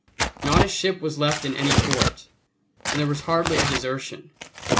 Not a ship was left in any port; and there was hardly a desertion.